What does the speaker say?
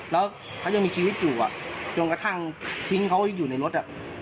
แล้วเขายังมีชีวิตอยู่จนกระทั่งทิ้งเขาอยู่ในรถ